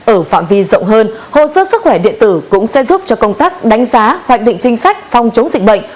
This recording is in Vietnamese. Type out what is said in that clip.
ở phạm vi rộng hơn hồ sơ sức khỏe điện tử cũng sẽ giúp cho công tác đánh giá hoạch định chính sách phòng chống dịch bệnh